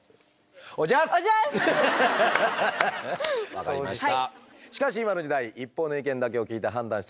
分かりました。